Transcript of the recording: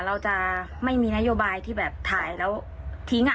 เราจะไม่มีนโยบายที่แบบถ่ายแล้วทิ้ง